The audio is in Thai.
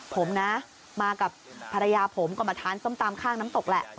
ผมนะมากับภรรยาผมก็มาทานส้มตำข้างน้ำตกแหละ